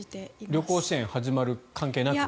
旅行支援始まる関係なく。